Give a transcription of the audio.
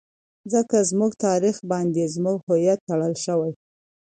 ځکه زموږ تاريخ باندې زموږ هويت ټړل شوى.